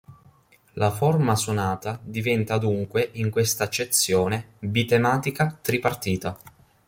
La forma-sonata diventa dunque in quest'accezione "bitematica-tripartita".